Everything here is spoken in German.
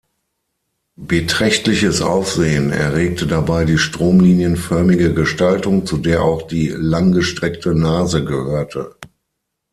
Beträchtliches Aufsehen erregte dabei die stromlinienförmige Gestaltung, zu der auch die langgestreckte Nase gehörte.